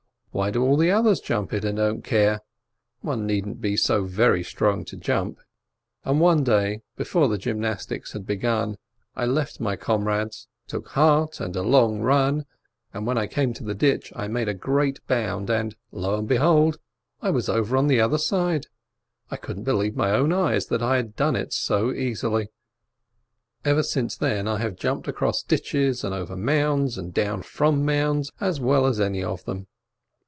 Why do all the others jump it and don't care? One needn't be so very strong to jump ! And one day, before the gymnastics had begun, I left my comrades, took heart and a long run, and when I came to the ditch, I made a great bound, and, lo and behold, I was over on the other side! I couldn't be lieve my own eyes that I had done it so easily. Ever since then I have jumped across ditches, and over mounds, and down from mounds, as well as any of them.